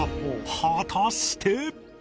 果たして